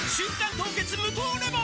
凍結無糖レモン」